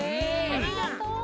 ありがとう。